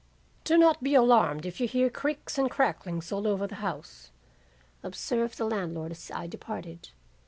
"'Do not be alarmed if you hear creaks and cracklings all over the house,' observed the landlord as I departed.